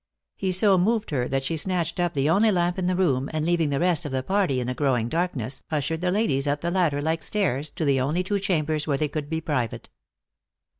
He so moved her that she snatched up the only lamp in the room, and, leaving the rest of the party in the growing darkness, ushered the ladies up the ladder, like stairs, to the only two chambers where they could be private.